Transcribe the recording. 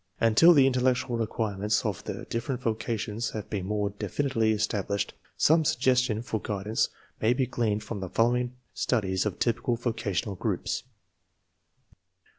Until the intellectual requirements of ..the different vocations have been more definitely established, some sugges tion for guidance may be gleaned from the following studies of typical vocational groups.